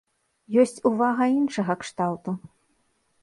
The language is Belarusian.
Ёсць увага і іншага кшталту.